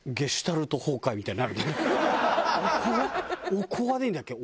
「おこわ」でいいんだっけ？